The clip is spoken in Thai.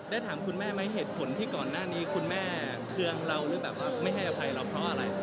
ถามคุณแม่ไหมเหตุผลที่ก่อนหน้านี้คุณแม่เคืองเราหรือแบบว่าไม่ให้อภัยเราเพราะอะไร